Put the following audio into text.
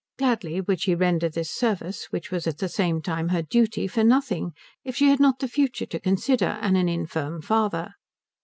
Gladly would she render this service, which was at the same time her duty, for nothing, if she had not the future to consider and an infirm father.